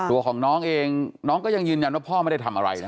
ตัวของน้องเองน้องก็ยังยืนยันว่าพ่อไม่ได้ทำอะไรนะ